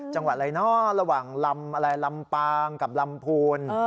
จังหวัดอะไรเนอะระหว่างลำอะไรลำปางกับลำพูน